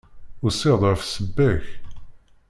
Usiɣ-d ɣef ssebba-k.